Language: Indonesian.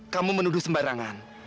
kamu menuduh sembarangan